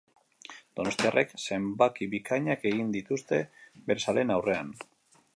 Donostiarrek zenbaki bikainak egin dituzte bere zaleen aurrean.